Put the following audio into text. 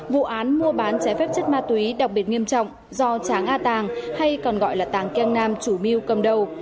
vụ án mua bán trái phép chất ma túy đặc biệt nghiêm trọng do tráng a tàng hay còn gọi là tàng ken nam chủ mưu cầm đầu